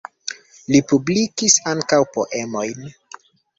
Li publikis ankaŭ poemojn.